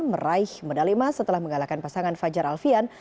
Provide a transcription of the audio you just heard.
meraih medali emas setelah mengalahkan pasangan fajar alfian